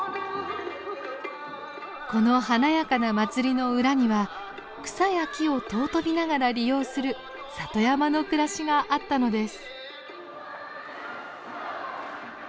この華やかな祭りの裏には草や木を尊びながら利用する里山の暮らしがあったのです。